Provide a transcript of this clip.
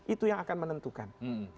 itu yang akan menentukan